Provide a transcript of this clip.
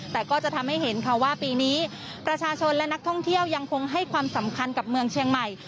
แต่ก็จะทำให้เห็นค่ะว่าปีนี้ประชาชนและนักท่องเที่ยวยังคงให้ความสำคัญกับเมืองเชียงใหม่